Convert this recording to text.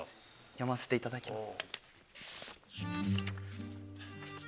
読ませていただきます。